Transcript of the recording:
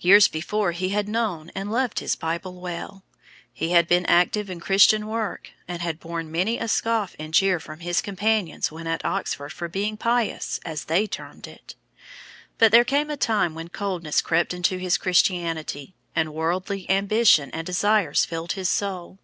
Years before he had known and loved his Bible well. He had been active in Christian work, and had borne many a scoff and jeer from his companions when at Oxford for being "pious," as they termed it. But there came a time when coldness crept into his Christianity, and worldly ambition and desires filled his soul.